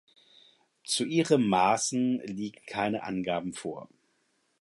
Zu ihren Maßen liegen keine Angaben vor.